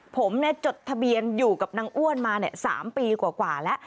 ผมจดทะเบียนอยู่กับนางอ้วนมา๓ปีกว่าแล้ว